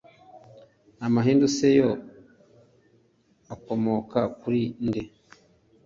amahindu se yo akomoka kuri nde